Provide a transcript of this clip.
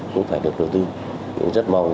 cũng phải được đầu tư